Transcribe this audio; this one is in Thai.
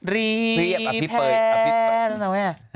รีแพร่แล้วไง